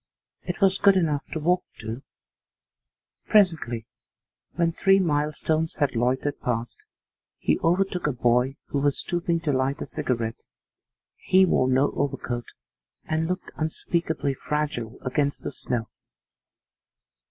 It was good enough to walk to. Presently, when three milestones had loitered past, he overtook a boy who was stooping to light a cigarette. He wore no overcoat, and looked unspeakably fragile against the snow.